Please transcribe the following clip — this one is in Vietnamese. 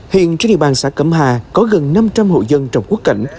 hiện trên địa bàn xã cẩm hà có gần năm trăm linh hội dân trong quốc cảnh